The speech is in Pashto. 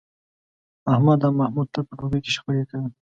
احمد او محمود تل په ټولگي کې شخړې کوي